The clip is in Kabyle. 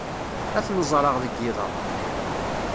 Ad ten-ẓreɣ deg yiḍ-a.